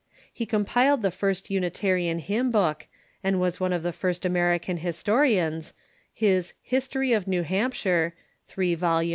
lie compiled the first Unitarian hymn book, and was one of the first American historians, his "History of New Hampshire" (3 vols.